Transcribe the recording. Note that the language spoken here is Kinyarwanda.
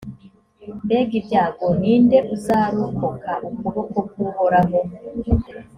mbega ibyago! ni nde uzarokoka ukuboko kw’uhoraho?